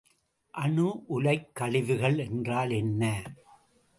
அணு உலைக் கழிவுகள் என்றால் என்ன?